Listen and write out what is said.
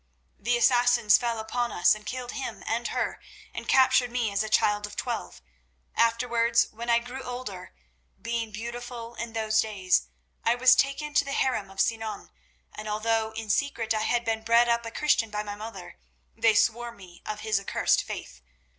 The Assassins fell upon us and killed him and her, and captured me as a child of twelve. Afterwards, when I grew older, being beautiful in those days, I was taken to the harem of Sinan, and, although in secret I had been bred up a Christian by my mother, they swore me of his accursed faith.